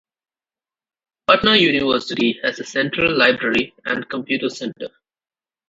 Patna University has a central library and computer center.